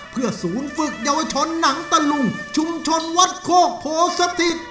เพื่อศูนย์ฝึกเยาวชนหนังตะลุงชุมชนวัดโคกโพสถิต